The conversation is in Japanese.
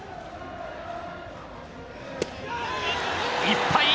いっぱい！